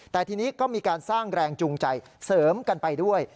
แต่ทีนี้ก็มีการสร้างแรงจูงใจเสริมกันไปด้วย